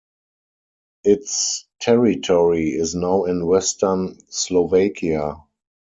Its territory is now in western Slovakia.